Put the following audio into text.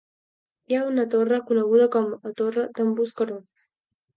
Hi ha una torre coneguda com a Torre d'en Bosquerons.